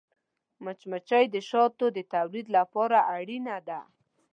مچمچۍ د شاتو د تولید لپاره اړینه ده